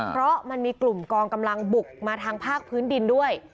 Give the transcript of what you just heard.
เพราะมันมีกลุ่มกองกำลังบุกมาทางภาคพื้นดินด้วย